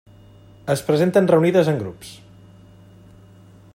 Es presenten reunides en grups.